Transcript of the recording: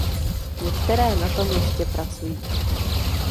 Některé na tom ještě pracují.